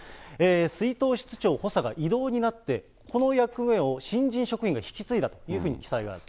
出納室長補佐が異動になって、この役目を新人職員が引き継いだというふうに記載がある。